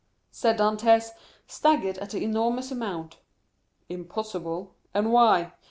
said Dantès, staggered at the enormous amount. "Impossible? and why?"